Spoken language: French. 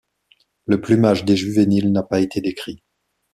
Le plumage des juvéniles n'a pas été décrit.